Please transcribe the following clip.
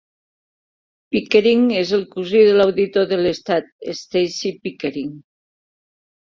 Pickering és el cosí de l'auditor de l'Estat, Stacey Pickering.